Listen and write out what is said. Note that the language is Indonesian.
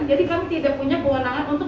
jadi kami tidak punya kewenangan untuk